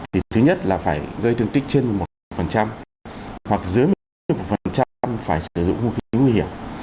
thì thứ nhất là phải gây thương tích trên một hoặc dưới một phải sử dụng vũ khí nguy hiểm